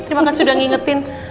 terima kasih udah ngingetin